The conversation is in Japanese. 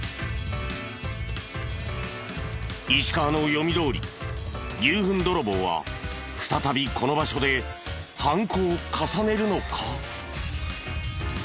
石川の読みどおり牛ふん泥棒は再びこの場所で犯行を重ねるのか？